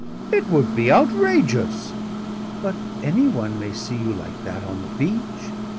"It would be outrageous!" "But any one may see you like that on the beach!"